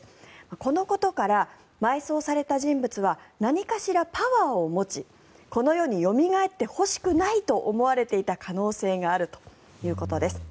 このことから、埋葬された人物は何かしらパワーを持ちこの世によみがえってほしくないと思われていた可能性があるということです。